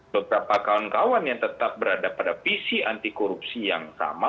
beberapa kawan kawan yang tetap berada pada visi anti korupsi yang sama